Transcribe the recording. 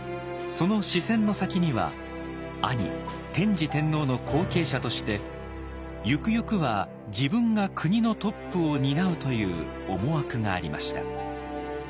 その視線の先には兄天智天皇の後継者として「ゆくゆくは自分が国のトップを担う」という思惑がありました。